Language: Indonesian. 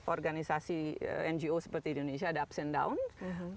organisasi ngo seperti di indonesia ada ups and downs